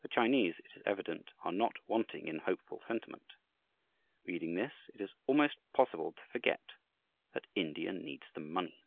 The Chinese, it is evident, are not wanting in hopeful sentiment. Reading this, it is almost possible to forget that India needs the money.